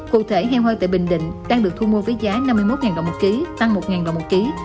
cụ thể heo hơi tại bình định đang được thu mua với giá năm mươi một đồng một ký tăng một đồng một ký